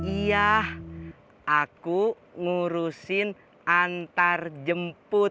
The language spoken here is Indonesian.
iya aku ngurusin antarjemput